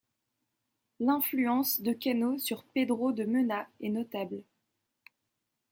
L'influence de Cano sur Pedro de Mena est notable.